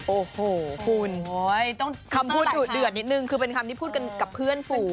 โอ้โหคุณคำพูดเหลือนิดหนึ่งคือเป็นคำที่พูดกันกับเพื่อนฝูง